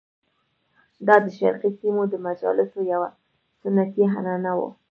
دا د شرقي سیمو د مجالسو یوه سنتي عنعنه وه.